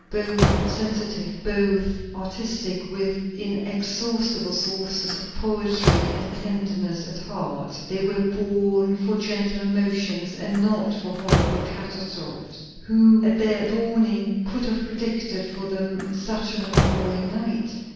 Both sensitive, both artistic, with inexhaustible sources of poetry and tenderness at heart, they were born for gentle emotions and not for horrible catastrophes. Who, at their dawning, could have predicted for them such an appalling night?